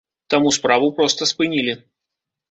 Таму справу проста спынілі.